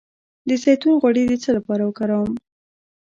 د زیتون غوړي د څه لپاره وکاروم؟